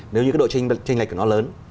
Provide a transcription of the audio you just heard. nếu như cái độ tranh lệch của nó lớn